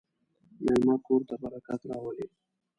مېلمه کور ته برکت راولي.